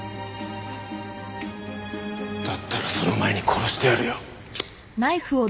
だったらその前に殺してやるよ。